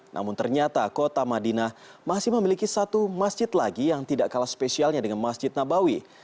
namun ternyata kota madinah masih memiliki satu masjid lagi yang tidak kalah spesialnya dengan masjid nabawi